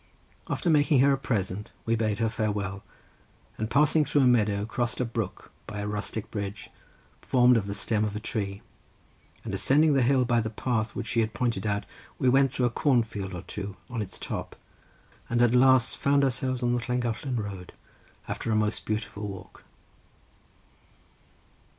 After making her a present we bade her farewell, and passing through a meadow crossed a brook by a rustic bridge, formed of the stem of a tree, and ascending the hill by a path which she had pointed out, we went through a corn field or two on its top, and at last found ourselves on the Llangollen road, after a most beautiful walk.